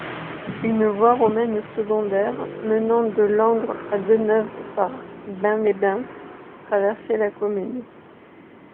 Une voie romaine secondaire, menant de Langres à Deneuvre par Bains-les-Bains, traversait la commune.